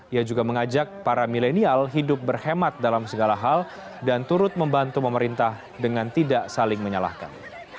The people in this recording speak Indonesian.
ia juga mengajak para milenial hidup berhemat dalam segala hal dan turut membantu pemerintah dengan tidak saling menyalahkan